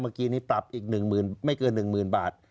เมื่อกี้นี้ปรับอีกหนึ่งหมื่นไม่เกินหนึ่งหมื่นบาท